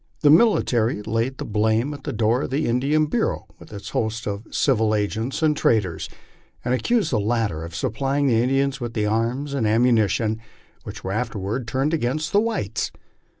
The military laid the blame at the door of the Indian Bureau with its host of civil agents and traders, and accused the latter of supplying the Indians with the arms and ammunition which were afterward turned against the whites.